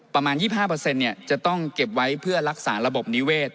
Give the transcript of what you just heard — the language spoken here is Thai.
ประมาณ๒๕จะต้องเก็บไว้เพื่อรักษาระบบนิเวศ